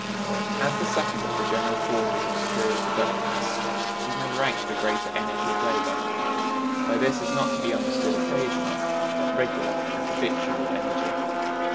As the second of the [general] causes of superior productiveness, we may rank the greater energy of labor. By this is not to be understood occasional, but regular and habitual energy.